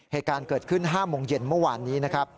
เหตุการณ์เกิดขึ้น๕โมงเย็นเมื่อวานนี้นะครับ